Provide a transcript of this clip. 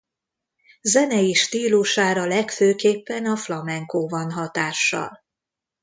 Zenei stílusára legfőképpen a flamenco van hatással.